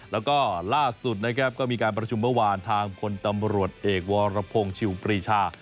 แล้วก็ล่าสุดนะครับก็มีการประชุมเมื่อวานทางพลตำรวจเอกวรพงศ์ชิวปรีชา